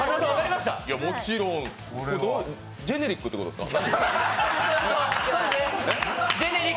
いや、もちろんジェネリックってことですか？